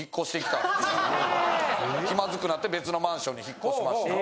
気まずくなって別のマンションに引っ越しました。